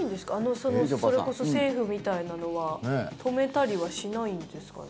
それこそ政府みたいなのは止めたりはしないんですかね？